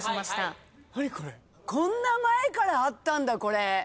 こんな前からあったんだこれ。